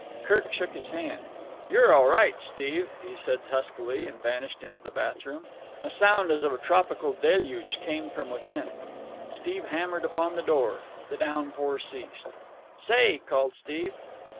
Kirk shook his hand. "You're all right, Steve!" he said huskily, and vanished into the bathroom. A sound as of a tropical deluge came from within. Steve hammered upon the door. The downpour ceased. "Say!" called Steve.